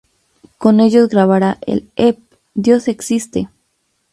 Con ellos grabará el ep "¡Dios existe!